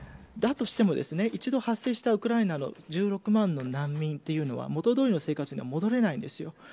だとしても、一度発生したウクライナの１６万の難民というのは元通りの生活には戻れないんです。